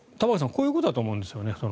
こういうことだと思うんですね。